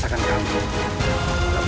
aku merasakan kamu